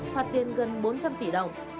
phát tiên gần bốn trăm linh tỷ đồng